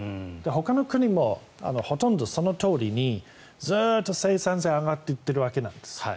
ほかの国もほとんどそのとおりにずっと生産性が上がっていっているわけです。